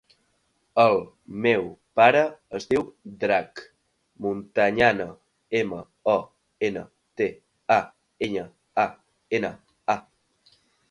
El meu pare es diu Drac Montañana: ema, o, ena, te, a, enya, a, ena, a.